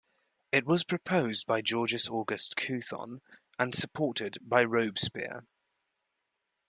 It was proposed by Georges Auguste Couthon and supported by Robespierre.